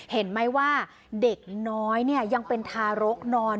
เห็นไหมว่าเด็กน้อยยังเป็นทารกนอน